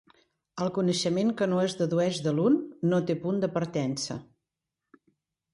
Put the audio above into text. El coneixement que no es dedueix de l'un no té punt de partença.